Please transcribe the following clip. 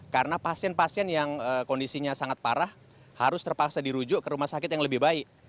karena pasien pasien yang kondisinya sangat parah harus terpaksa dirujuk ke rumah sakit yang lebih baik